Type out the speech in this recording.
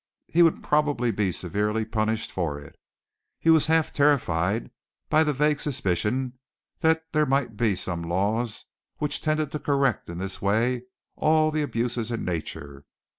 He would probably be severely punished for it. He was half terrified by the vague suspicion that there might be some laws which tended to correct in this way all the abuses in nature.